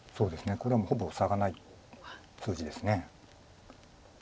これはもうほぼ差がない数字です。